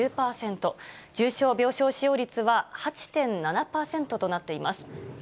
重症病床使用率は８．７％となっています。